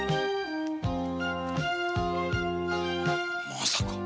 まさか！？